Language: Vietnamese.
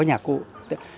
nhà nghiên cứu sạn được